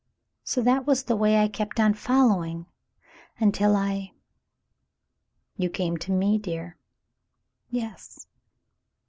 So that was the way I kept on following — until I —" "You came to me, dear ?" "Yes.'